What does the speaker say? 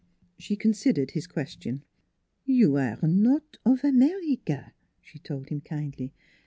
She considered his question. " You aire not of America," she told him kindly.